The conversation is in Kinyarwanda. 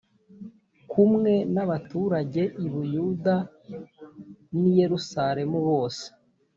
kumwe n abaturage i buyuda n i yerusalemu bose